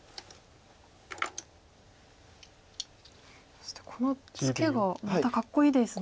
そしてこのツケがまたかっこいいですね。